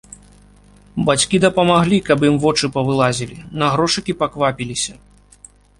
Бацькі дапамаглі, каб ім вочы павылазілі, на грошыкі паквапіліся.